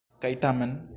Kaj tamen.